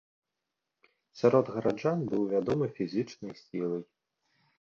Сярод гараджан быў вядомы фізічнай сілай.